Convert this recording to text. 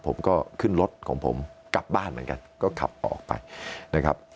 ผมก็ขึ้นรถของผมกลับบ้านเหมือนกันก็ขับออกไปนะครับ